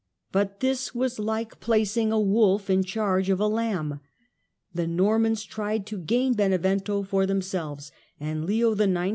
But this was like placing a wolf in charge of a lamb. The Normans tried to gain Benevento for themselves, and Leo IX.